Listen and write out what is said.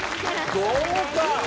豪華！